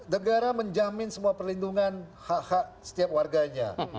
negara menjamin semua perlindungan hak hak setiap warganya